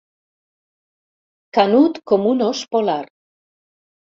Canut com un ós polar.